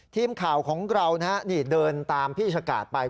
ทีมข่าวของเรานี่เดินตามพี่ชะกาดไป